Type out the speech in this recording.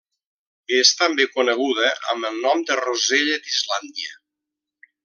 És també coneguda amb el nom de rosella d'Islàndia.